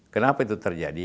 kenapa itu terjadi